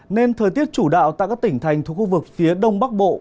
nên thời tiết chủ đạo tại các tỉnh thành thuộc khu vực phía đông bắc bộ